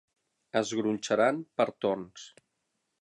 Es gronxaran per torns.